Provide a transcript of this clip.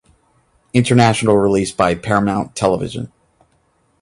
International release by Paramount Television